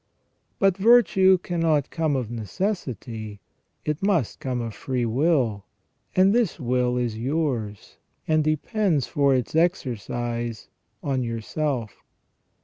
But virtue cannot come of necessity, it must come of free will, and this will is your own, and depends for its exercise on yourself.